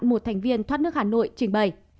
một thành viên thoát nước hà nội trình bày